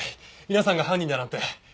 皆さんが犯人だなんて。